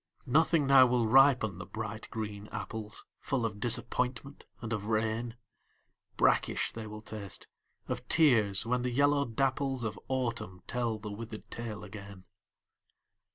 Nothing now will ripen the bright green apples, Full of disappointment and of rain, Brackish they will taste, of tears, when the yellow dapples Of Autumn tell the withered tale again.